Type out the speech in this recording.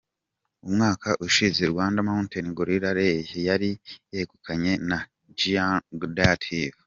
Umwaka ushize, Rwanda Mountain Gorilla Rally yari yegukanywe na Giancarlo Davite.